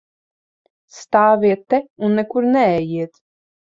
Stāviet te un nekur neejiet!